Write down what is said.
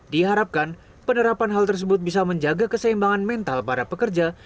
diharapkan penerapan hal tersebut bisa menjaga keseimbangan mental para pekerja